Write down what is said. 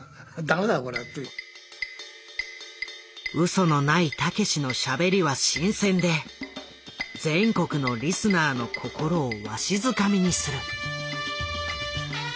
嘘のないたけしのしゃべりは新鮮で全国のリスナーの心をわしづかみにする。